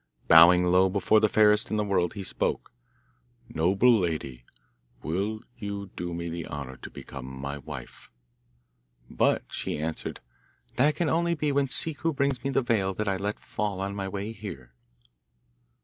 Bowing low before the fairest in the world, he spoke: 'Noble lady, will you do me the honour to become my wife?' But she answered, 'That can only be when Ciccu brings me the veil that I let fall on my way here.